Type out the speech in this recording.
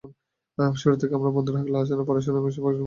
শুরু থেকেই আমরা বন্ধুরা ক্লাসের পড়াশোনা এসব কাজে মাহবুবের পরামর্শ নিতাম।